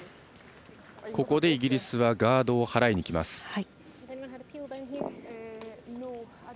ここでイギリスはガードを払いに行きます。